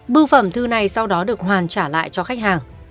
bưu phẩm thư này sau đó được hoàn trả lại cho khách hàng